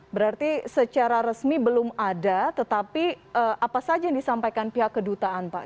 berarti secara resmi belum ada tetapi apa saja yang disampaikan pihak kedutaan pak